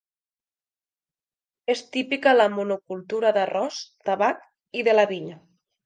És típica la monocultura d'arròs, tabac i de la vinya.